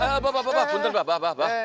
apa apa pak buntet pak